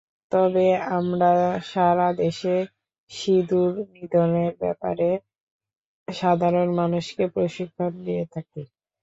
তবে আমরা সারা দেশে ইঁদুর নিধনের ব্যাপারে সাধারণ মানুষকে প্রশিক্ষণ দিয়ে থাকি।